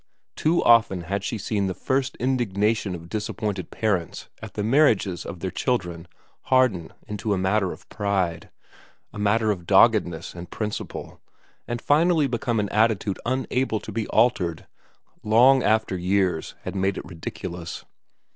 Too often had she seen the first indignation of dis appointed parents at the marriages of their children harden into a matter of pride, a matter of doggedness and principle, and finally become an attitude unable to be altered, long after years had made it ridiculous.